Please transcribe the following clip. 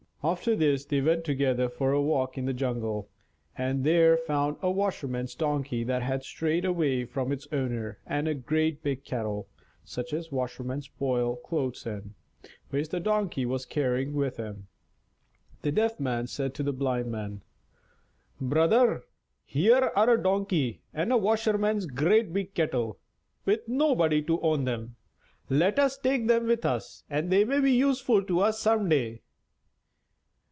After this they went together for a walk in the jungle, and there found a washerman's Donkey that had strayed away from its owner, and a great big kettle (such as washermen boil clothes in), which the Donkey was carrying with him. The Deaf Man said to the Blind Man: "Brother, here are a Donkey and a washerman's great big kettle, with nobody to own them! Let us take them with us they may be useful to us some day."